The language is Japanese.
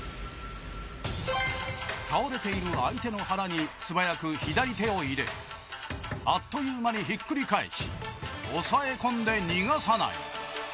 倒れている相手の腹に素早く左手を入れあっという間にひっくり返し抑え込んで逃がさない！